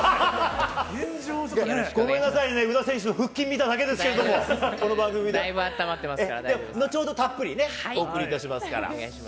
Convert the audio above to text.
ごめんなさいね、腹筋見ただけですけど、この番組で。後ほどたっぷりお送りしますから。